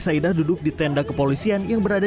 saidah duduk di tenda kepolisian yang berada